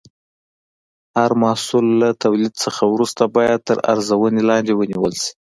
هر محصول له تولید څخه وروسته باید تر ارزونې لاندې ونیول شي.